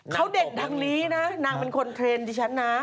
เขาเด็ดดังนี้นะนางเป็นคนเทรนด์ดิฉันนะ